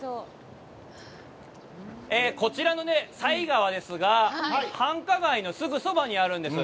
こちらの犀川ですが、繁華街のすぐそばにあるんです。